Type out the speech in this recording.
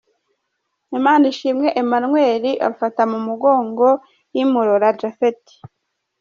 Imanishimwe Emmanuel afata mu mugongo Imurora Japhet.